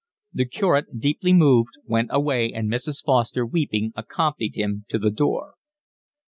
The curate, deeply moved, went away and Mrs. Foster, weeping, accompanied him to the door.